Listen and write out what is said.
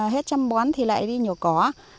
hết chăm bón thì lại đi nhổ cỏ